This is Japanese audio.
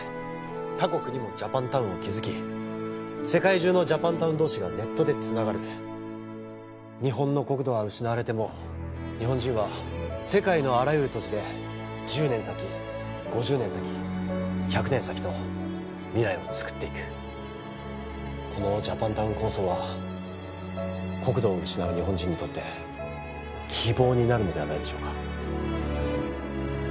他国にもジャパンタウンを築き世界中のジャパンタウン同士がネットでつながる日本の国土は失われても日本人は世界のあらゆる土地で十年先五十年先百年先と未来をつくっていくこのジャパンタウン構想は国土を失う日本人にとって希望になるのではないでしょうか？